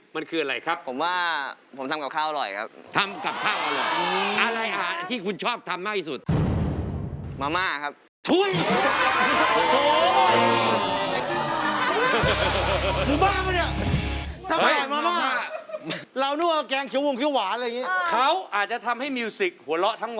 มันคืออะไรครับ